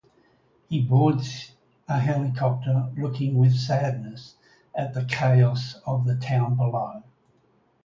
He boards a helicopter, looking with sadness at the chaos of the town below.